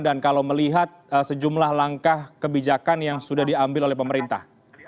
dan kalau melihat sejumlah langkah kebijakan yang sudah diambil oleh pemerintah